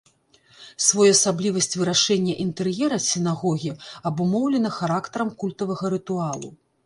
Своеасаблівасць вырашэння інтэр'ера сінагогі абумоўлена характарам культавага рытуалу.